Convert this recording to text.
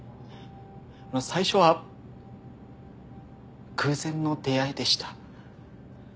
まあ最初は偶然の出会いでした。